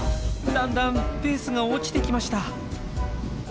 だんだんペースが落ちてきました。